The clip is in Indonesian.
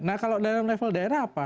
nah kalau dalam level daerah apa